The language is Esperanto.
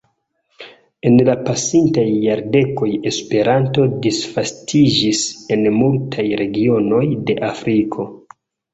En la pasintaj jardekoj Esperanto disvastiĝis en multaj regionoj de Afriko.